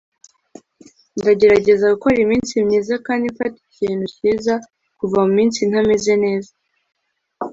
ndagerageza gukora iminsi myiza kandi mfata ikintu cyiza kuva muminsi ntameze neza